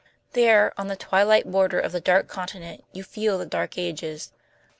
There, on the twilight border of the Dark Continent, you feel the Dark Ages.